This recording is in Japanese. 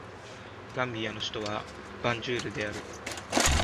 ガンビアの首都はバンジュールである